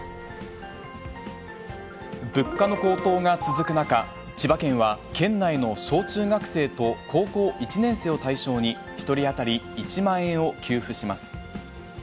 物価の高騰が続く中、千葉県は県内の小中学生と高校１年生を対象に、１人当たり１万円を給付します。